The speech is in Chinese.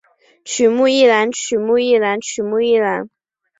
曲目一览曲目一览曲目一览